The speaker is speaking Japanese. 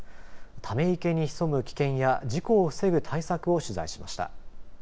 ため池に潜む危険や事故を防ぐ対策を取材しました。